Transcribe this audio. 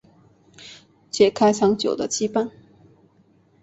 解开长久的羁绊